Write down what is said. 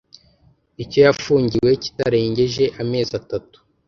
icyo yafungiwe kitarengeje amezi atatu